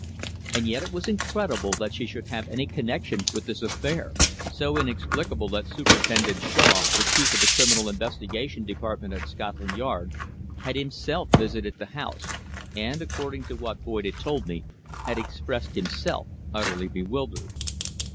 And yet it was incredible that she could have any connexion with this affair, so inexplicable that Superintendent Shaw, the chief of the Criminal Investigation Department at Scotland Yard, had himself visited the house, and, according to what Boyd had told me, had expressed himself utterly bewildered.